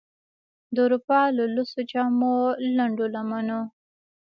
د اروپا له لوڅو جامو، لنډو لمنو،